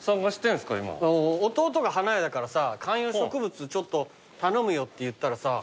うん弟が花屋だからさ観葉植物ちょっと頼むよって言ったらさ